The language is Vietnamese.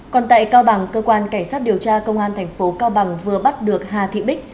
còn tại cao bằng cơ quan cảnh sát điều tra công an thành phố cao bằng vừa bắt được hà thị bích